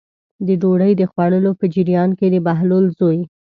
د ډوډۍ د خوړلو په جریان کې د بهلول زوی.